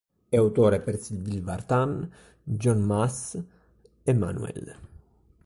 È autore per Sylvie Vartan, Jeanne Mas, Emmanuel.